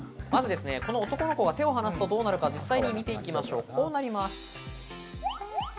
この男の子が手を離すとどうなるか実際に見ていきましょう。